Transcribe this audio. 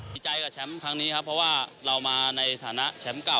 ดีใจกับแชมป์ครั้งนี้ครับเพราะว่าเรามาในฐานะแชมป์เก่า